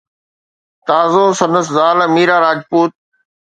تازو سندس زال ميرا راجپوت